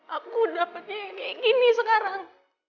aku dapatnya kayak gini sekarang